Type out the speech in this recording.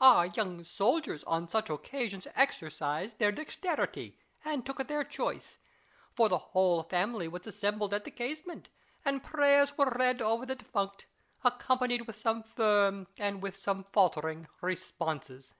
Our young soldiers on such occasions exercised their dexterity, and took their choice ; for the whole family was assembled at the casement, and prayers were read over the defunct, accompanied with some firm and with some faltering responses.